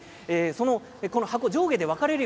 箱は上下で分かれます。